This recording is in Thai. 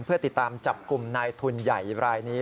เพื่อติดตามจับกลุ่มนายทุนใหญ่รายนี้